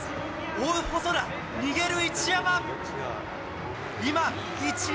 追う細田、逃げる一山。